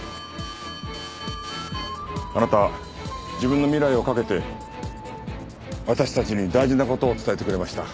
あなたは自分の未来をかけて私たちに大事な事を伝えてくれました。